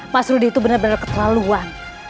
mas rudy itu bener dua ketelaluan